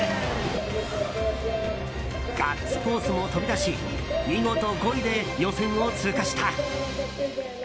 ガッツポーズも飛び出し見事５位で予選を通過した。